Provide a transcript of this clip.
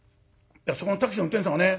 そこのタクシーの運転手さんがね